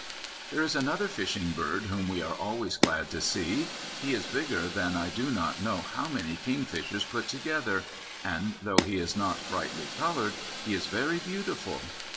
There is another fishing bird whom we are always glad to see. He is bigger than I do not know how many Kingfishers put together, and though he is not brightly coloured he is very beautiful.